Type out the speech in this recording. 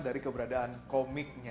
dari keberadaan komiknya